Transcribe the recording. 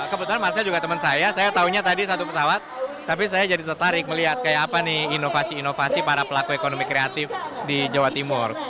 kebetulan marsha juga teman saya saya taunya tadi satu pesawat tapi saya jadi tertarik melihat kayak apa nih inovasi inovasi para pelaku ekonomi kreatif di jawa timur